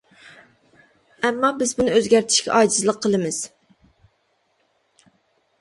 ئەمما بىز بۇنى ئۆزگەرتىشكە ئاجىزلىق قىلىمىز.